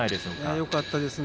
よかったですね。